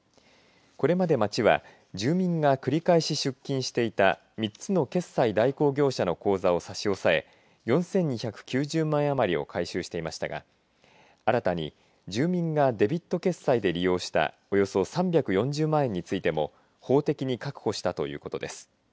これまで町は住民が繰り返し出金していた３つの決済代行業者の口座を差し押さえ４２９０万円余りを回収していましたが新たに住民がデビット決済で利用したおよそ３４０万円についても法的に確保したということです。